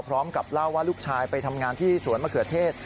พร้อมกับเล่าว่าลูกชายไปทำงานที่สวนมะเขือเทศ